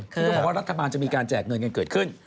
ที่เขาบอกว่ารัฐบาลจะมีการแจกเงินกันเกิดขึ้น